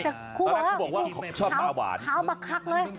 แต่ครูบอกว่าขาวบรรคักเลย